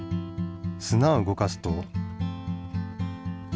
すなを動かすと。